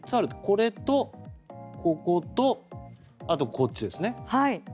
これと、こことあと、こっちですね。